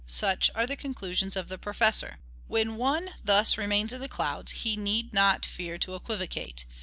Such are the conclusions of the professor. When one thus remains in the clouds, he need not fear to equivocate.